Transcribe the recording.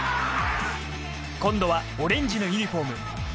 今度はオレンジのユニホーム。